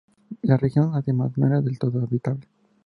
La región, además, no era del todo habitable.